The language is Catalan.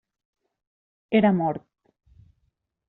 Era mort.